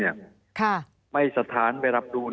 มีความรู้สึกว่ามีความรู้สึกว่า